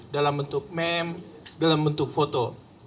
dalam bentuk meme dalam bentuk foto